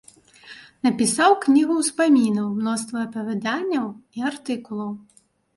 Напісаў кнігу ўспамінаў, мноства апавяданняў і артыкулаў.